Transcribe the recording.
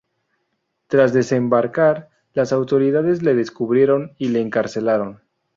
Tras desembarcar, las autoridades le descubrieron y le encarcelaron.